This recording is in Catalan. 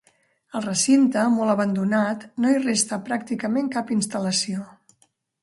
Al recinte, molt abandonat, no hi resta pràcticament cap instal·lació.